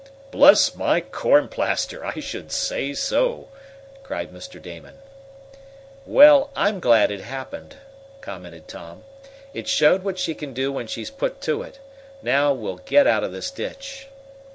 "Bless my corn plaster, I should say so!" cried Mr. Damon. "Well, I'm glad it happened," commented Tom. "It showed what she can do when she's put to it. Now we'll get out of this ditch."